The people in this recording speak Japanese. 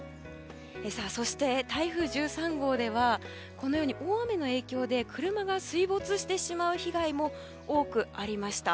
そして、台風１３号では大雨の影響で車が水没してしまう被害も多くありました。